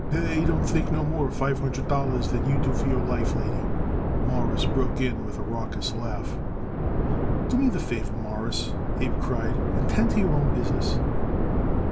"He don't think no more of five hundred dollars than you do of your life, lady," Morris broke in with a raucous laugh. "Do me the favor, Mawruss," Abe cried, "and tend to your own business."